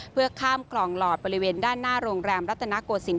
เพื่อข้ามคลองหลอดบริเวณด้านหน้าโรงแรมรัตนโกศิลป